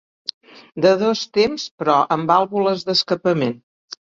De dos temps però amb vàlvules d'escapament.